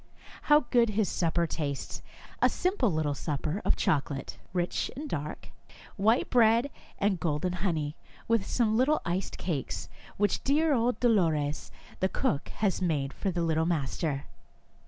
How good his supper tastes, a simple little supper of chocolate, rich and dark, white bread and golden honey, with some little iced cakes, which dear old Dolores, the cook, has made for the little master.